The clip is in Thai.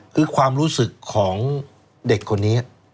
คือความรู้สึกของเด็กคนนี้